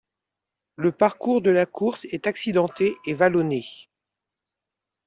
Le parcours de la course est accidenté et vallonné.